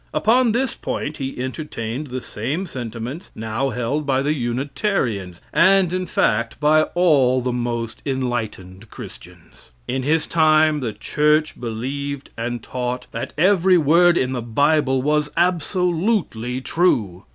Upon this point he entertained the same sentiments now held by the Unitarians, and in fact by all the most enlightened Christians. In his time the church believed and taught that every word in the Bible was absolutely true.